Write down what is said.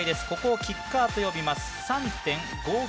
ここをキッカーと呼びます。